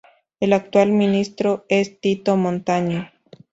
El actual ministro es Tito Montaño.